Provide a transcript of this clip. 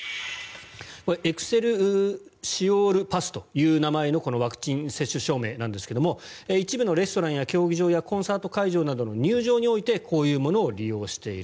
エクセルシオール・パスという名前のワクチン接種証明ですが一部のレストランや競技場コンサート会場などの入場においてこういうものを利用している。